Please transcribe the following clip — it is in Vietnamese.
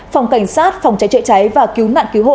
phòng cảnh sát phòng trái trợi trái và cứu nạn cứu hộ